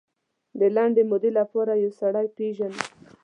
د لنډې مودې لپاره یو سړی پېژنو.